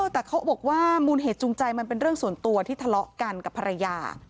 แต่เขาบอกว่ามูลเหตุจูงใจมันเป็นเรื่องส่วนตัวที่ทะเลาะกันกับภรรยา